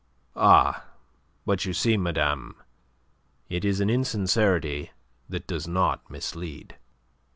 "Ah, but you see, madame, it is an insincerity that does not mislead."